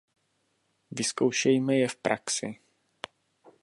Vyzkoušejme je v praxi.